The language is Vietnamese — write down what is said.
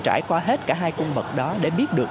trải qua hết cả hai cung bậc đó để biết được